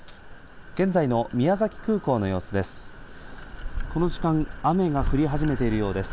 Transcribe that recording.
現在の宮崎空港の様子です。